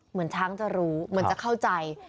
เหมือนช้างจะรู้เหมือนจะเข้าใจ